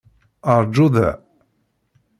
Ṛju da.